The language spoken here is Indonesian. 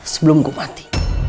sebelum gua mati